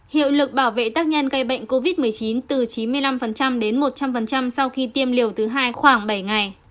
hiệu lực bảo vệ tác nhân gây bệnh covid một mươi chín từ chín mươi năm đến một trăm linh sau khi tiêm liều thứ hai khoảng bảy ngày